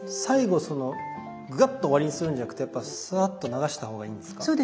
最後グッと終わりにするんじゃなくてやっぱサッと流した方がいいんですか？